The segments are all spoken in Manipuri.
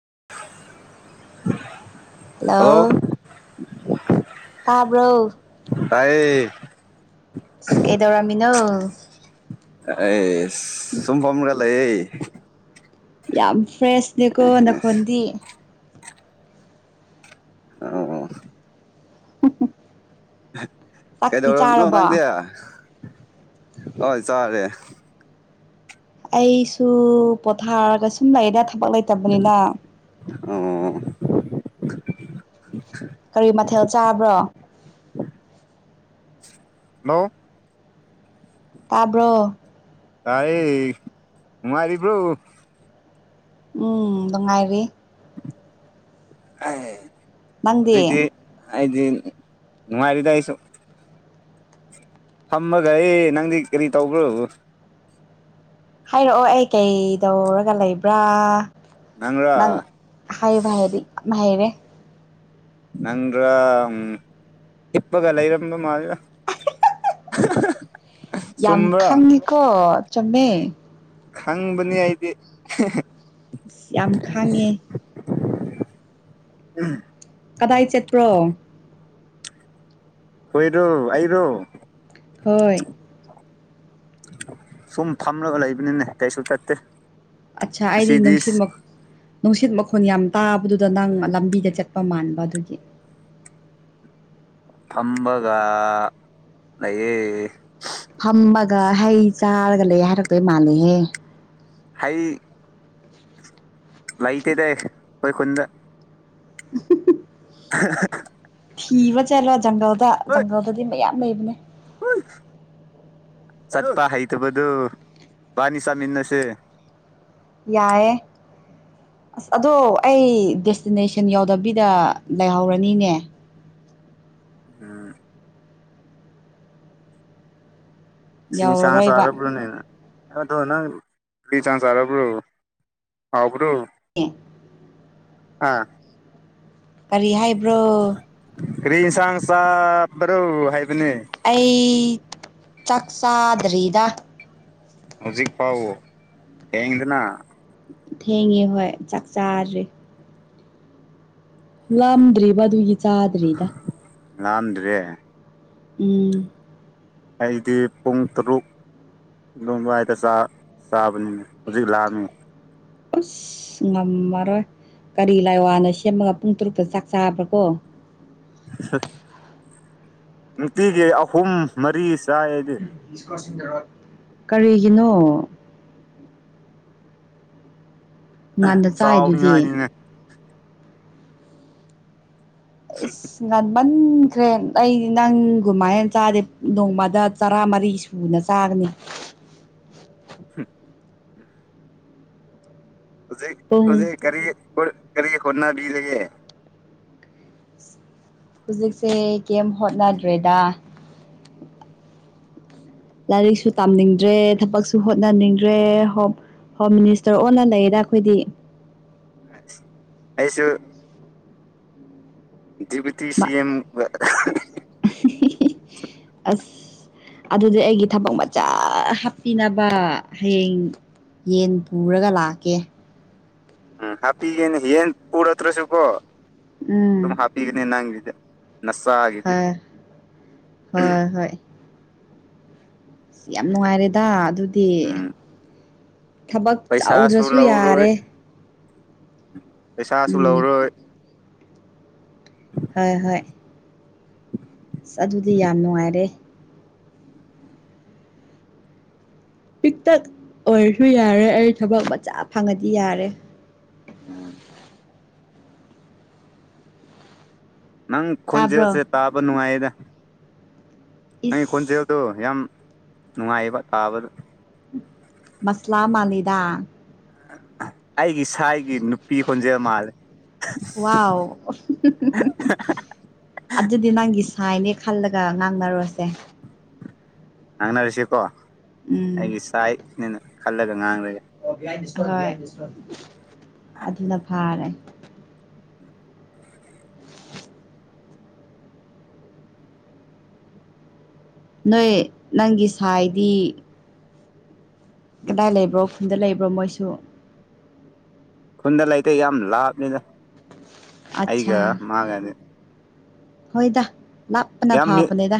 [inaudible] ꯍꯜꯂꯣ ꯇꯥꯕ꯭ꯔꯣ ꯇꯥꯏꯌꯦ ꯀꯩꯗꯧꯔꯝꯃꯤꯅꯣ ꯑꯦ ꯁꯨꯝ ꯐꯝꯔꯒ ꯂꯩꯌꯦ ꯌꯥꯝ ꯐ꯭ꯔꯦꯁꯅꯤꯀꯣ ꯅꯈꯣꯟꯗꯤ ꯑꯣ ꯆꯥꯛꯇꯤ ꯀꯩꯗꯧꯔꯝꯕꯅꯣ ꯆꯥꯔꯕꯣ ꯅꯪꯗꯤ ꯍꯣꯏ ꯆꯥꯔꯦ ꯑꯩꯁꯨ ꯄꯣꯊꯔ ꯁꯨꯝ ꯂꯩꯕ ꯊꯕꯛ ꯂꯩꯇꯕꯅꯤꯅ ꯑꯣ [inaudible] ꯀꯔꯤ ꯃꯊꯦꯜ ꯆꯥꯕ꯭ꯔꯣ ꯍꯜꯂꯣ ꯇꯥꯕ꯭ꯔꯣ ꯇꯥꯏꯌꯦ ꯅꯨꯡꯉꯥꯏꯔꯤꯕ꯭ꯔꯣ ꯎꯝ ꯅꯨꯡꯉꯥꯏꯔꯤ ꯑꯥꯏ ꯅꯪꯗꯤ ꯑꯩꯗꯤ ꯅꯨꯡꯉꯥꯏꯔꯤꯗ ꯑꯩꯁꯨ ꯐꯝꯃꯒ ꯑꯩ ꯅꯪꯗꯤ ꯀꯔꯤ ꯇꯧꯕ꯭ꯔꯣ ꯍꯥꯏꯔꯛꯑꯣ ꯑꯩ ꯀꯩꯗꯧꯔꯒ ꯂꯩꯕ꯭ꯔꯥ ꯅꯪꯔꯥ ꯅꯪ ꯍꯥꯏꯕ ꯍꯩꯔꯗꯤ ꯌꯥꯝ ꯍꯩꯔꯦ ꯅꯪꯔ ꯎꯝ ꯍꯤꯞꯄꯒ ꯂꯩꯔꯝꯗꯧ ꯃꯥꯜꯂꯤꯗ [unintelligible] ꯌꯥꯝ ꯆꯨꯝꯕ꯭ꯔꯥ ꯈꯪꯉꯤꯀꯣ ꯆꯨꯝꯃꯦ ꯈꯪꯕꯅꯤ ꯑꯩꯗꯤ ꯑꯁ ꯌꯥꯝ ꯈꯥꯡꯉꯦ ꯎꯝ ꯀꯗꯥꯏ ꯆꯠꯄ꯭ꯔꯣ ꯍꯣꯏꯔꯣ ꯑꯩꯔꯣ ꯍꯣꯏ ꯁꯨꯝ ꯐꯝꯂꯒ ꯂꯩꯕꯅꯤꯅꯦ ꯀꯩꯁꯨ ꯆꯠꯇꯦ ꯑꯠꯆꯥ ꯑꯩꯗꯤ ꯑꯁꯤꯗꯤ ꯅꯨꯡꯁꯤꯠ ꯃ ꯅꯨꯡꯁꯤꯠ ꯃ ꯈꯣꯟ ꯌꯥꯝ ꯇꯥꯕꯗꯨꯗ ꯅꯪ ꯂꯝꯕꯤꯗ ꯆꯠꯄ ꯃꯥꯟꯕ ꯑꯗꯨꯒꯤ ꯐꯝꯕꯒ ꯂꯩꯌꯦ ꯐꯝꯃꯒ ꯍꯩ ꯆꯥꯔꯒ ꯂꯩ ꯍꯥꯏꯔꯛꯇꯣꯏ ꯃꯥꯜꯂꯦꯍꯦ ꯍꯩ ꯂꯩꯇꯦ ꯗ ꯑꯩꯈꯣꯏ ꯈꯨꯟꯗ ꯎꯍꯝ ꯍꯨꯝ [unintelligible] ꯊꯤꯕ ꯆꯠꯂꯣ ꯖꯪꯒꯜꯗ ꯖꯪꯒꯜꯗꯗꯤ ꯃꯌꯥꯝ ꯂꯩꯕꯅꯦ ꯑꯣꯏ ꯆꯠꯄ ꯍꯩꯇꯕꯗꯨ ꯏꯕꯥꯅꯤ ꯆꯥꯠꯃꯤꯟꯅꯁꯦ ꯌꯥꯏꯌꯦ ꯑꯁ ꯑꯗꯣ ꯑꯩ ꯗꯦꯁꯇꯤꯅꯦꯁꯟ ꯌꯥꯎꯗꯕꯤꯗ ꯂꯩꯍꯧꯔꯅꯤꯅꯦ ꯎꯝ ꯁꯤꯡꯁꯥ ꯌꯧꯔꯔꯣꯏꯕ ꯆꯥꯔꯕ꯭ꯔꯥꯅꯦ ꯅꯪ ꯑꯗꯣ ꯅꯪ ꯀꯔꯤ ꯆꯥꯟꯆꯥꯔꯕ꯭ꯔꯣ ꯍꯥꯎꯕ꯭ꯔꯣ ꯑ ꯑꯥ ꯀꯔꯤ ꯍꯥꯏꯕ꯭ꯔꯣ ꯀꯔꯤ ꯏꯟꯁꯥꯡ ꯆꯥꯕ꯭ꯔꯣ ꯍꯥꯏ ꯑꯩ ꯆꯥꯛ ꯆꯥꯗ꯭ꯔꯤꯗ ꯍꯧꯖꯤꯛ ꯐꯥꯎ ꯊꯦꯡꯌꯦꯡꯗꯅ ꯊꯦꯡꯉꯦ ꯍꯣꯏ ꯆꯥꯛ ꯆꯥꯗꯔꯤ ꯂꯝꯗ꯭ꯔꯤꯕ ꯑꯗꯨꯒꯤ ꯆꯥꯗ꯭ꯔꯤꯗ ꯂꯥꯝꯗ꯭ꯔꯦ ꯎꯝ ꯑꯩꯗꯤ ꯄꯨꯡ ꯇꯔꯨꯛ ꯑꯗꯨꯕꯥꯥꯏꯗ ꯆꯥ ꯆꯥꯕꯅꯤꯅꯦ ꯍꯧꯖꯤꯛ ꯂꯥꯝꯃꯦ ꯑꯁ ꯉꯝꯃꯔꯣꯏ ꯀꯔꯤ ꯂꯥꯏꯋꯥꯅ ꯁꯦꯝꯃꯒ ꯄꯨꯡ ꯇꯔꯨꯛꯇ ꯆꯥꯛ ꯆꯥꯕ ꯀꯣ ꯏꯁꯠ ꯅꯨꯄꯤꯒꯤ ꯑꯍꯨꯝ ꯃꯔꯤꯁ ꯀꯔꯤꯒꯤꯅꯣ ꯉꯥꯟꯗ ꯆꯥꯏꯗꯨꯗꯤ ꯆꯥꯎꯅꯤꯉꯥꯏꯅꯤꯅꯦ ꯏꯁ ꯉꯟ ꯃꯟꯈ꯭ꯔꯦ ꯑꯩꯗꯤ ꯅꯪꯒꯨꯝꯃꯥꯏꯅ ꯆꯥꯗꯦ ꯅꯣꯡꯃꯗ ꯆꯔꯥ ꯃꯔꯤ ꯁꯨꯅ ꯆꯥꯔ ꯅꯤ [inaudible] ꯍꯨꯝ ꯍꯧꯖꯤꯛ ꯄꯨꯡ ꯍꯧꯖꯤꯛ ꯀꯔꯤ ꯍꯣ ꯀꯔꯤ ꯍꯣꯅꯕꯤꯔꯒꯦ ꯍꯧꯖꯤꯛꯁꯦ ꯀꯩꯝ ꯍꯣꯠꯅꯗ꯭ꯔꯦꯗ ꯂꯥꯏꯔꯤꯛꯁꯨ ꯇꯥꯝꯅꯤꯡꯗ꯭ꯔꯦ ꯊꯕꯛꯁꯨ ꯍꯣꯠꯅꯅꯤꯡꯗ꯭ꯔꯦ ꯍꯣꯞ ꯍꯣꯝ ꯃꯤꯅꯤꯁꯇꯔ ꯑꯣꯟꯂ ꯂꯩꯌꯦꯗ ꯑꯩꯈꯣꯏꯗꯤ ꯑꯩꯁꯨ ꯗꯤꯕꯨꯇꯤ ꯁꯤ ꯑꯦꯝꯒ ꯑꯁ ꯑꯗꯨꯗꯤ ꯑꯩꯒꯤ ꯊꯕꯛ ꯃꯆꯥ ꯍꯥꯞꯄꯤꯅꯕ ꯍꯌꯦꯡ ꯌꯦꯟ ꯄꯨꯔꯒ ꯂꯥꯛꯀꯦ ꯎꯝ ꯍꯥꯄꯤꯒꯦꯅꯦ ꯍꯌꯦꯟ ꯄꯨꯔꯇ꯭ꯔꯁꯨ ꯀꯣ ꯎꯝ ꯗꯨꯝ ꯍꯥꯄꯤꯒꯅꯦ ꯅꯪꯒꯤ [inaudible] ꯍꯣꯏ ꯍꯣꯏ ꯍꯣꯏ ꯌꯥꯝ ꯅꯨꯡꯉꯥꯏꯔꯦꯗ ꯑꯗꯨꯗꯤ ꯎꯝ ꯊꯕꯛ ꯄꯩꯁꯥꯁꯨ ꯆꯥꯎꯗ꯭ꯔꯁꯨ ꯂꯧꯔꯣꯏ ꯌꯥꯔꯦ ꯄꯩꯁꯥꯁꯨ ꯎꯝ ꯂꯧꯔꯣꯏ ꯍꯣꯏ ꯍꯣꯏ ꯑꯁ ꯑꯗꯨꯗꯤ ꯌꯥꯝ ꯅꯨꯡꯉꯥꯏꯔꯦ ꯄꯤꯛꯇꯛ ꯑꯣꯏꯔꯁꯨ ꯌꯥꯔꯦ ꯑꯩ ꯊꯕꯛ ꯃꯆꯥ ꯐꯪꯉꯗꯤ ꯌꯥꯔꯦ ꯎꯝ ꯅꯪ ꯇꯥꯕ꯭ꯔꯣ ꯈꯣꯟꯖꯦꯜꯁꯦ ꯇꯥꯕ ꯅꯨꯡꯉꯥꯏꯗ ꯅꯪꯒꯤ ꯏꯁ ꯀꯣꯟꯖꯦꯜꯗꯣ ꯌꯥꯝ ꯅꯨꯡꯉꯥꯏꯕ ꯇꯥꯕꯗ ꯃꯁꯂꯥ ꯃꯂꯤꯗꯥ ꯑꯩꯒꯤ ꯁꯥꯏ ꯒꯤ ꯅꯨꯄꯤ ꯈꯣꯟꯖꯦꯜ ꯃꯥꯜꯂꯦ ꯋꯥꯎ ꯑꯗꯨꯗꯤ ꯅꯪꯒꯤ ꯁꯥꯏꯅꯦ ꯈꯜꯂꯒ ꯉꯥꯡꯅꯔꯨꯁꯦ ꯉꯥꯡꯅꯔꯁꯤꯀꯣ ꯎꯝ ꯑꯩꯒꯤ ꯁꯥꯏꯠꯅꯦꯅ ꯈꯜꯂꯒ ꯉꯥꯡꯔꯒꯦ ꯍꯣꯏ ꯑꯗꯨꯅ ꯐꯥꯔꯦ ꯅꯣꯏ ꯅꯪꯒꯤ ꯁꯥꯏꯗꯤ ꯀꯗꯥꯏ ꯂꯩꯕ꯭ꯔꯣ ꯈꯨꯜꯗ ꯂꯩꯕ꯭ꯔꯣ ꯃꯣꯏꯁꯨ ꯈꯨꯟꯗ ꯂꯩꯇꯦ ꯌꯥꯝ ꯂꯥꯞꯃꯤꯗ ꯑꯠꯆꯥ ꯑꯩꯒ ꯃꯥꯒꯅꯦ ꯍꯣꯏꯗ ꯂꯥꯞꯄꯅ ꯌꯥꯝ ꯃꯤ ꯐꯥꯕꯅꯦꯗ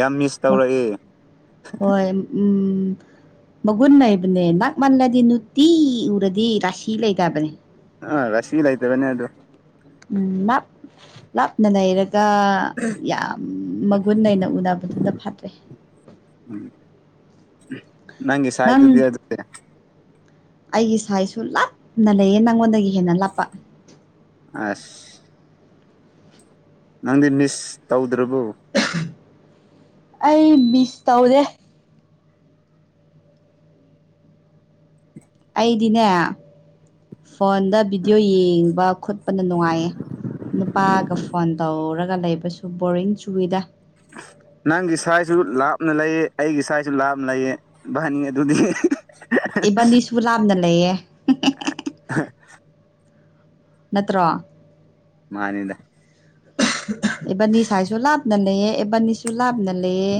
ꯌꯥꯝ ꯃꯤꯁ ꯃ ꯇꯧꯔꯛꯏ ꯍꯣꯏ ꯎꯝ ꯃꯒꯨꯟ ꯂꯩꯕꯅꯦ ꯅꯛꯃꯜꯂꯗꯤ ꯅꯨꯇꯤꯏ ꯎꯔꯗꯤ ꯔꯥꯁꯤ ꯂꯩꯇꯕꯅꯦ ꯑꯥ ꯔꯁꯤ ꯂꯩꯇꯕꯅꯦ ꯑꯗꯨ ꯎꯝ ꯂꯞ ꯂꯥꯞꯅ ꯂꯩꯔ ꯇ ꯌꯥꯝ ꯃꯒꯨꯟ ꯂꯩꯅ ꯎꯅꯕꯗꯨꯄ ꯐꯠꯇ꯭ꯔꯦ ꯎꯝ ꯅꯪꯒꯤ ꯁꯥꯏ ꯗꯨꯗꯤ ꯅꯪ ꯑꯗꯨꯗꯤ ꯑꯩꯒꯤ ꯁꯥꯏꯁꯨ ꯂꯥꯞꯅ ꯂꯩꯌꯦ ꯅꯪꯉꯣꯟꯗꯒꯤ ꯍꯦꯟꯅ ꯂꯥꯞꯄ ꯑꯁ ꯅꯪꯗꯤ ꯃꯤꯁ ꯇꯧꯗ꯭ꯔꯕꯣ ꯑꯩ ꯃꯤꯁ ꯇꯧꯗꯦ ꯑꯩꯗꯤꯅꯦ ꯐꯣꯟꯗ ꯚꯤꯗꯤꯑꯣ ꯌꯦꯡꯕ ꯈꯣꯠꯄꯅ ꯅꯨꯡꯉꯥꯏꯌꯦ ꯅꯨꯄꯥꯒ ꯐꯣꯟ ꯇꯧꯔꯒ ꯂꯩꯕꯁꯨ ꯕꯣꯔꯤꯡ ꯆꯨꯏꯗ [unintelligible] ꯅꯪꯒꯤ ꯁꯥꯏꯁꯨ ꯂꯥꯞꯅ ꯂꯩꯌꯦ ꯑꯩꯒꯤ ꯁꯥꯏꯁꯨ ꯂꯥꯞꯅ ꯂꯩꯌꯦ ꯕꯅꯤ ꯑꯗꯨꯗꯤ ꯏꯕꯥꯅꯤꯁꯨ ꯂꯥꯞꯅ ꯂꯩꯌꯦ ꯅꯠꯇ꯭ꯔꯣ ꯃꯥꯅꯤꯗ ꯑꯦꯕꯅꯤ ꯁꯥꯏꯁꯨ ꯂꯥꯞ ꯅ ꯂꯩꯌꯦ ꯑꯦꯕꯥꯟꯅꯤꯁꯨ ꯂꯥꯞꯅ ꯂꯩꯌꯦ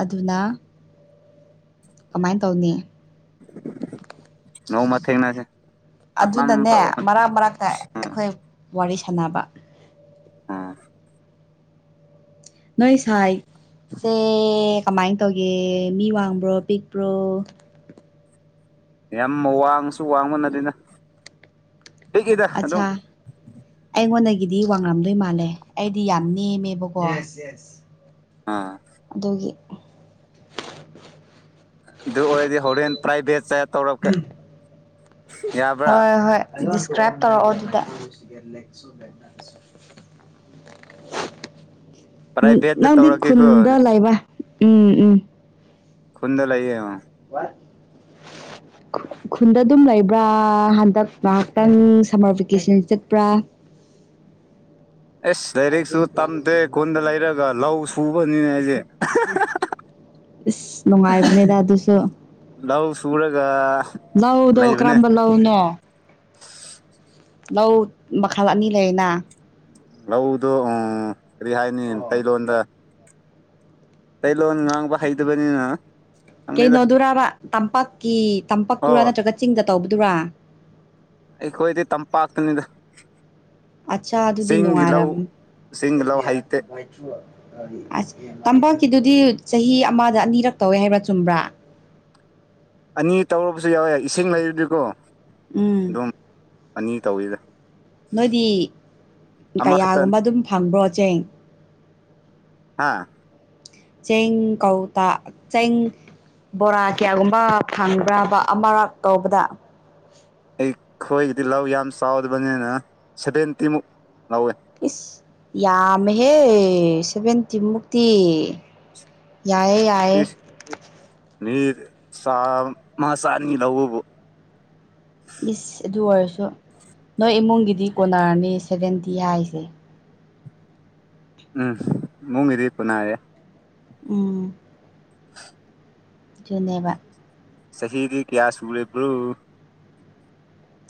ꯑꯗꯨꯅ ꯀꯃꯥꯏ ꯇꯧꯅꯤ [unintelligible] ꯅꯣꯡꯃ ꯊꯦꯡꯅꯁꯦ ꯃꯐꯝ ꯐꯕ ꯑꯗꯨꯅꯅꯦ ꯃꯔꯛ ꯃꯔꯛꯇ ꯑꯩꯈꯣꯏ ꯋꯥꯔꯤ ꯁꯥꯟꯅꯕ ꯑꯥ ꯅꯣꯏ ꯁꯥꯏ ꯁꯦ ꯀꯃꯥꯏ ꯇꯧꯒꯦ ꯃꯤ ꯋꯥꯡꯕ꯭ꯔꯣ ꯄꯤꯛꯄ꯭ꯔꯣ ꯌꯥꯝ ꯋꯥꯡꯉꯁꯨ ꯋꯥꯡꯕ ꯅꯠꯇꯦꯗ ꯄꯤꯛꯏꯗ ꯑꯗꯨꯝ ꯑꯠꯆꯥꯥ ꯑꯩꯉꯣꯟꯗꯒꯤ ꯒꯤꯗꯤ ꯋꯥꯡꯉꯝꯗꯣꯏ ꯃꯥꯜꯂꯦ ꯑꯩꯗꯤ ꯌꯥꯝ ꯅꯦꯝꯃꯦꯕꯀꯣ ꯌꯦꯁ ꯌꯦꯁ ꯑꯥ ꯑꯗꯨꯒꯤ ꯑꯗꯨ ꯑꯣꯏꯔꯗꯤ ꯍꯣꯔꯦꯟ ꯄ꯭ꯔꯥꯏꯚꯦꯠꯁ ꯆꯦꯠ ꯇꯧꯔꯛꯀꯦ ꯌꯥꯕ꯭ꯔꯥ ꯍꯣꯏ ꯍꯣꯏ ꯗꯤꯁꯀ꯭ꯔꯥꯏꯞ ꯇꯧꯔꯛꯑꯣ ꯑꯗꯨꯗ ꯎꯝ ꯄ꯭ꯔꯥꯏꯚꯦꯠꯇ ꯅꯪꯗꯤ ꯇꯧꯔꯛꯀꯦꯀꯣ ꯈꯨꯟꯗ ꯂꯩꯕ ꯎꯝ ꯎꯝ ꯈꯨꯨꯟꯗ ꯂꯩꯏꯌꯦ ꯑꯣ ꯋꯥ [inaudible] ꯈꯨꯟꯗ ꯑꯗꯨꯝ ꯂꯩꯕ꯭ꯔꯥ ꯍꯟꯗꯛ ꯉꯥꯏꯍꯥꯛꯇꯪ ꯁꯝꯃꯔ ꯚꯦꯀꯦꯁꯟ ꯆꯠꯄ꯭ꯔꯥ [inaudible] ꯑꯦꯁ ꯂꯥꯏꯔꯤꯛꯁꯨ ꯇꯝꯗꯦ ꯈꯨꯟꯗ ꯂꯩꯔꯒ ꯂꯧ ꯁꯨꯕꯅꯤꯅꯦ ꯑꯩꯁꯦ ꯑꯍꯥ ꯍꯥ ꯏꯁ ꯅꯨꯡꯉꯥꯏꯕꯅꯦꯗ ꯑꯗꯨꯁꯨ ꯂꯧ ꯁꯨꯔꯒ ꯂꯧꯗꯣ ꯂꯩꯕꯅꯦ ꯀꯔꯝꯕ ꯂꯧꯅꯣ ꯂꯧ ꯃꯈꯜ ꯑꯅꯤ ꯂꯩꯌꯦꯅ ꯂꯧꯗꯣ ꯎꯝ ꯀꯔꯤ ꯍꯥꯏꯅꯤ ꯃꯩꯇꯩꯂꯣꯟꯗ ꯉꯥꯥꯡꯕ ꯍꯩꯇꯕꯅꯤꯅ ꯈꯪꯅꯤꯗ ꯀꯩꯅꯣꯗꯨꯔꯕ ꯇꯝꯄꯥꯛꯀꯤ ꯇꯝꯄꯥꯛꯇꯨꯔꯥ ꯑꯣ ꯅꯠꯇ꯭ꯔꯒ ꯆꯤꯡꯗ ꯇꯧꯕꯗꯨꯔꯥ ꯑꯩꯈꯣꯏꯗꯤ ꯇꯝꯄꯥꯛꯇꯅꯤꯗ ꯑꯠꯆꯥ ꯑꯗꯨꯗꯤ ꯆꯤꯡꯒꯤ ꯂꯧ ꯅꯨꯡꯉꯥꯏꯔꯝ ꯆꯤꯡꯒꯤ ꯂꯧ ꯍꯩꯇꯦ ꯑꯁ ꯇꯝꯄꯥꯛ ꯀꯤꯗꯨꯗꯤ ꯆꯍꯤ ꯑꯃꯗ ꯑꯅꯤꯔꯛ ꯇꯧꯋꯦ ꯍꯥꯏꯕ꯭ꯔꯥ ꯆꯨꯝꯕ꯭ꯔꯥ ꯑꯅꯤ ꯇꯧꯔꯕꯁꯨ ꯌꯥꯎꯋꯦ ꯏꯁꯤꯡ ꯂꯩꯔꯗꯤꯀꯣ ꯎꯝ ꯑꯗꯨꯝ ꯑꯅꯤ ꯇꯧꯋꯤꯗ ꯅꯣꯏꯗꯤ ꯑꯃꯈꯛꯇꯅꯤ ꯀꯌꯥꯒꯨꯝꯕ ꯑꯗꯨꯝ ꯐꯪꯕ꯭ꯔꯣ ꯆꯦꯡ ꯍꯥꯥ ꯆꯦꯡ ꯀꯧꯇ ꯆꯦꯡ ꯕꯣꯔꯥ ꯀꯌꯥꯒꯨꯝꯕ ꯐꯪꯕ꯭ꯔꯥꯕ ꯑꯃꯔꯛ ꯇꯧꯕꯗ ꯑꯩ ꯈꯣꯏꯒꯤꯗꯤ ꯂꯧ ꯌꯥꯝ ꯆꯥꯎꯗꯕꯅꯤꯅ ꯁꯚꯦꯟꯇꯤꯃꯨꯛ ꯂꯧꯋꯦ ꯏꯁ ꯌꯥꯝꯃꯦꯍꯦ ꯁꯚꯦꯟꯇꯤꯃꯨꯛꯇꯤ ꯌꯥꯏꯌꯦ ꯌꯥꯏꯌꯦ ꯃꯤꯅꯠ ꯆ ꯃꯥꯁꯥꯅꯤ ꯂꯧꯕꯕꯨ ꯏꯁ ꯑꯗꯨ ꯑꯣꯏꯔꯁꯨ ꯅꯣꯏ ꯏꯃꯨꯡꯒꯤꯗꯤ ꯀꯣꯅꯔꯅꯤ ꯁꯦꯚꯦꯟꯇꯤ ꯍꯥꯏꯁꯦ ꯎꯝ ꯃꯨꯡꯒꯤꯗꯤ ꯀꯣꯟꯅꯔꯦ ꯎꯝ ꯗꯨꯅꯦꯕ ꯆꯍꯤꯗꯤ ꯀꯌꯥ ꯁꯨꯨꯔꯦꯕ꯭ꯔꯣ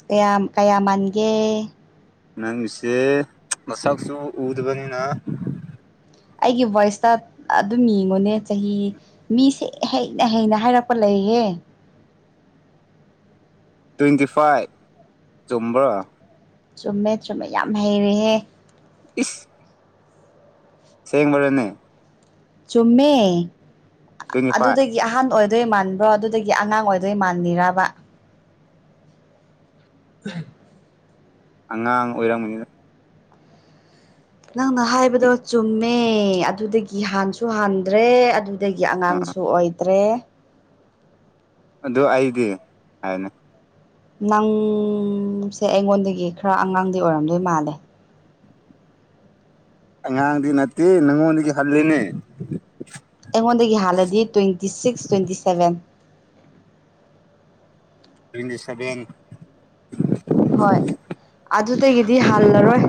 ꯀꯌꯥꯝ ꯀꯌꯥ ꯃꯥꯟꯒꯦ ꯅꯪꯒꯤꯁꯦ ꯃꯁꯛꯁꯨ ꯎꯗꯕꯅꯤꯅ ꯑꯩꯒꯤ ꯚꯣꯏꯁꯇ ꯑꯗꯨꯝ ꯌꯦꯡꯉꯨꯅꯦ ꯆꯍꯤ ꯃꯤꯁꯦ ꯍꯩꯅ ꯍꯩꯅ ꯍꯥꯏꯔꯛꯄ ꯂꯩ ꯂꯩꯌꯦ ꯇ꯭ꯋꯦꯟꯇꯤ ꯐꯥꯏꯚ ꯆꯨꯝꯕ꯭ꯔꯥ ꯆꯨꯝꯃꯦ ꯆꯨꯝꯃꯦ ꯌꯥꯝ ꯍꯩꯔꯦꯍꯦ ꯏꯁ ꯁꯦꯡꯕꯔꯅꯦ ꯆꯨꯝꯃꯦ ꯇ꯭ꯋꯦꯟꯇꯤ ꯐꯥꯏꯚ ꯑꯗꯨꯗꯒꯤ ꯑꯍꯥꯟ ꯑꯣꯏ ꯑꯗꯨꯏ ꯃꯥꯟꯕ꯭ꯔꯣ ꯑꯗꯨꯗꯒꯤ ꯑꯉꯥꯡ ꯑꯣꯏꯗꯣꯏ ꯃꯥꯟꯂꯤꯔꯕ [unintelligible] ꯑꯉꯥꯡ ꯑꯣꯏꯔꯝꯒꯅꯤꯗ ꯅꯪꯅ ꯍꯥꯏꯕꯗꯣ ꯆꯨꯝꯃꯦ ꯑꯗꯨꯗꯒꯤ ꯍꯥꯟꯁꯨ ꯍꯥꯟꯗ꯭ꯔꯦ ꯑꯗꯒꯤ ꯑꯉꯥꯡꯁꯨ ꯑꯣꯏꯗ꯭ꯔꯦ ꯑꯗꯨ ꯑꯩꯗꯤ ꯍꯥꯏꯌꯨꯅꯦ ꯅꯪꯁꯦ ꯑꯩꯉꯣꯟꯗꯒꯤ ꯈꯔ ꯑꯉꯥꯡꯗꯤ ꯑꯣꯏꯔꯝꯗꯣꯏ ꯃꯥꯜꯂꯦ ꯑꯉꯥꯡꯗꯤ ꯅꯠꯇꯦ ꯅꯪꯉꯣꯟꯗꯒꯤ ꯍꯜꯂꯤꯅꯦ ꯑꯩꯉꯣꯟꯗꯒꯤ ꯍꯥꯜꯂꯗꯤ twenty six twenty seven twenty seven ꯍꯣꯏ ꯑꯗꯨꯗꯒꯤꯗꯤ ꯍꯜꯂꯔꯣꯏ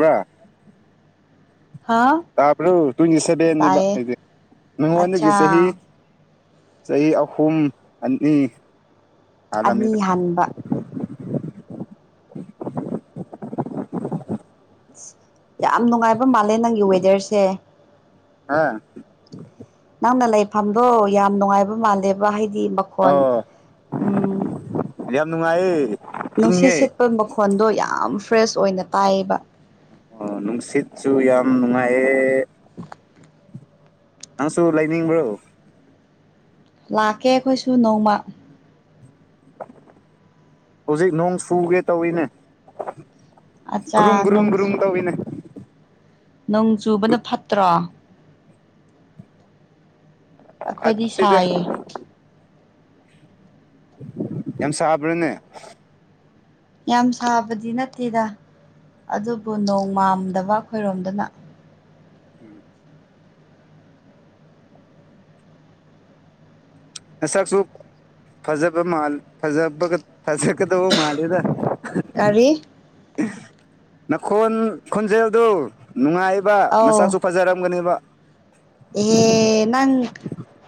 ꯕ꯭ꯔꯥ ꯍꯥ ꯇꯥꯕ꯭ꯔꯣ ꯇ꯭ꯋꯦꯟꯇꯤ ꯁꯚꯦꯟꯅꯤꯕ ꯇꯥꯏꯌꯦ ꯑꯩꯗꯤ ꯃꯤꯉꯣꯟꯗꯒꯤ ꯑꯠꯆꯥ ꯆꯍꯤ ꯆꯍꯤ ꯑꯍꯨꯝ ꯑꯅꯤ ꯑꯅꯤ ꯍꯥꯜꯂꯝꯃꯤꯗ ꯍꯟꯕ ꯌꯥꯝ ꯅꯨꯡꯉꯥꯏꯕ ꯃꯥꯜꯂꯦ ꯅꯪꯒꯤ ꯋꯦꯗꯔꯁꯦ ꯍꯥꯥ ꯅꯪꯅ ꯂꯩꯐꯝꯗꯣ ꯌꯥꯝ ꯅꯨꯡꯉꯥꯏꯕ ꯃꯥꯜꯂꯦꯕ ꯍꯥꯏ ꯗꯤ ꯃꯈꯣꯟ ꯑꯣ ꯎꯝ ꯌꯥꯝ ꯅꯨꯡꯉꯥꯏꯌꯦ ꯅꯨꯡꯁꯤꯠ ꯏꯪꯉꯦ ꯁꯤꯠꯄ ꯃꯈꯣꯟꯗꯣ ꯌꯥꯝ ꯐ꯭ꯔꯦꯁ ꯑꯣꯏꯅ ꯇꯥꯏꯌꯦꯕ ꯑꯣ ꯅꯨꯡꯁꯤꯠꯁꯨ ꯌꯥꯝ ꯅꯨꯡꯉꯥꯏꯌꯦ [inaudible] ꯅꯪꯁꯨ ꯂꯩꯅꯤꯡꯕ꯭ꯔꯣ ꯂꯥꯛꯀꯦ ꯑꯩꯈꯣꯏꯁꯨ ꯅꯣꯡꯃ ꯍꯧꯖꯤꯛ ꯅꯣꯡ ꯁꯨꯒꯦ ꯇꯧꯏꯅꯦ ꯒ꯭ꯔꯨꯨꯝ ꯑꯠꯆꯥ ꯒ꯭ꯔꯨꯨꯝ ꯅꯣꯡ ꯒ꯭ꯔꯨꯨꯝ ꯇꯧꯋꯤꯅꯦ ꯅꯣꯡ ꯆꯨꯕꯅ ꯐꯠꯇ꯭ꯔꯣ ꯑꯩꯈꯣꯏꯗꯤ ꯐꯠꯇꯦꯗ ꯁꯥꯏꯌꯦ ꯌꯥꯝ ꯁꯥꯕ꯭ꯔꯅꯦ ꯌꯥꯝ ꯁꯥꯕꯗꯤ ꯅꯠꯇꯦꯗ ꯑꯗꯨꯕꯨ ꯅꯣꯡꯃꯝꯗꯕ ꯑꯩꯈꯣꯏꯔꯣꯝꯗꯅ ꯎꯝ ꯃꯁꯛꯁꯨ ꯐꯖꯕ ꯃꯥꯜ ꯐꯖꯕ ꯐꯖꯒꯗꯧꯕ ꯃꯥꯜꯂꯦꯗ ꯀꯥꯔꯤ ꯅꯈꯣꯟ ꯈꯣꯟꯖꯦꯜꯗꯨ ꯅꯨꯡꯉꯥꯏꯕ ꯑꯧ ꯃꯁꯥꯛꯁꯨ ꯐꯖꯔꯝꯒꯅꯤꯕ ꯑꯦꯍꯦ ꯅꯪ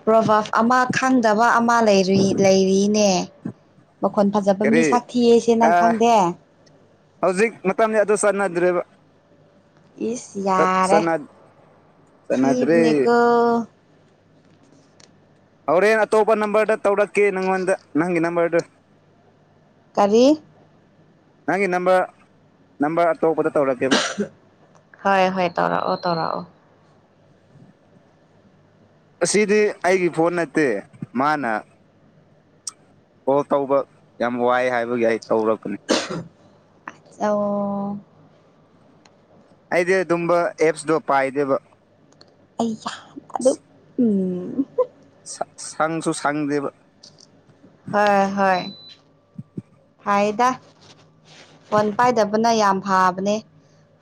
ꯄ꯭ꯔꯣꯚꯥꯞ ꯑꯃ ꯈꯪꯗꯕ ꯑꯃ ꯂꯩꯔꯤ ꯂꯩꯔꯤꯅꯦ ꯃꯈꯣꯟ ꯐꯖꯕ ꯃꯤ ꯀꯔꯤ ꯁꯥꯛꯊꯤꯑꯁꯦ ꯅꯪ ꯑꯥ ꯈꯪꯗꯦ ꯍꯧꯖꯤꯛ ꯃꯇꯝꯁꯦ ꯑꯗꯨ ꯆꯠꯅꯗ꯭ꯔꯦꯕ ꯏꯁ ꯆꯠ ꯌꯥꯔꯦ ꯆꯠꯅ ꯆꯠꯅꯥꯗ꯭ꯔꯦ ꯊꯤꯕꯅꯦꯀꯣ ꯍꯣꯔꯦꯟ ꯑꯇꯣꯞꯄ ꯅꯝꯕꯔꯗ ꯇꯧꯔꯛꯀꯦ ꯅꯪꯉꯣꯟꯗ ꯅꯪꯒꯤ ꯅꯝꯕꯔꯗꯨ ꯀꯔꯤ ꯅꯪꯒꯤ ꯅꯝꯕ ꯅꯝꯕ ꯑꯇꯣꯞꯄꯗ ꯇꯧꯔꯛꯀꯦꯕ ꯍꯣꯏ ꯍꯣꯏ ꯇꯧꯔꯛꯑꯣ ꯇꯧꯔꯛꯑꯣ ꯑꯁꯤꯗꯤ ꯑꯩꯒꯤ ꯐꯣꯟ ꯅꯠꯇꯦ ꯃꯥꯅ ꯀꯣꯜ ꯇꯧꯕ ꯌꯥꯝ ꯋꯥꯏ ꯍꯥꯏꯕꯒꯤ ꯑꯩ ꯇꯧꯔꯛꯄꯅꯦ ꯑꯣ ꯑꯩꯗꯤ ꯑꯗꯨꯝꯕ ꯑꯦꯞꯁꯇꯣ ꯄꯥꯏꯗꯦꯕ ꯑꯩ ꯌꯥꯗ ꯎꯝ ꯁꯪꯁꯨ ꯁꯪꯗꯦꯕ ꯍꯣꯏ ꯍꯣꯏ ꯐꯥꯏꯗ ꯐꯣꯟ ꯄꯥꯏꯗꯕꯅ ꯌꯥꯝ ꯐꯕꯅꯦ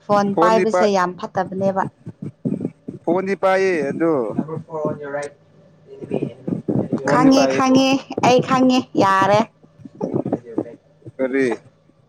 ꯐꯣꯟ ꯐꯣꯟꯗꯤ ꯄꯥꯏꯕꯁꯦ ꯌꯥꯝ ꯐꯠꯇꯕꯅꯦꯕ ꯐꯣꯟꯗꯤ ꯄꯥꯏꯌꯦ ꯑꯗꯨ ꯅꯝꯕꯔ ꯐꯣꯔ ꯔꯥꯏꯠ ꯐꯣꯟꯗꯤ ꯈꯪꯉꯦ ꯄꯥꯏꯌꯦ ꯈꯪꯉꯦ ꯑꯩ ꯈꯪꯉꯦ ꯌꯥꯔꯦ ꯀꯔꯤ [unintelligible]